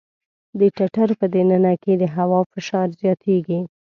د ټټر په د ننه کې د هوا فشار زیاتېږي.